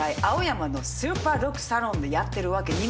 青山のスーパードッグサロンでやってるわけ。